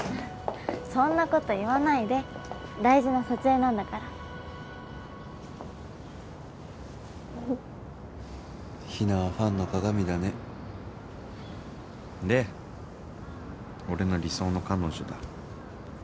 そんなこと言わないで大事な撮影なんだからヒナはファンのかがみだねで俺の理想の彼女だ